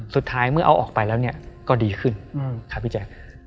สุดท้ายเมื่อเอาออกไปแล้วเนี่ยก็ดีขึ้นครับพี่แจ๊ค